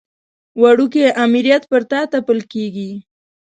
وړوکی امریت پر تا تپل کېږي.